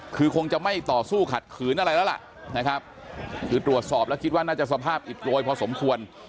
คือคงจะไม่ต่อสู้ขัดขืนอะไรแล้วล่ะนะครับคือตรวจสอบแล้วคิดว่าน่าจะสภาพอิดโรยพอสมควร